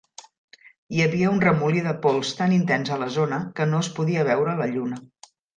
Hi havia un remolí de pols tan intens a la zona que no es podia veure la lluna.